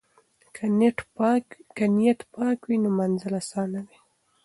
که نیت پاک وي نو منزل آسانه دی.